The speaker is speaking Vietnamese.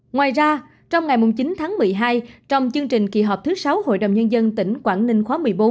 ngoài ra trong ngày chín tháng một mươi hai trong chương trình kỳ họp thứ sáu hội đồng nhân dân tỉnh quảng ninh khóa một mươi bốn